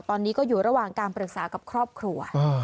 ตอนนี้ก็อยู่ระหว่างการปรึกษากับครอบครัว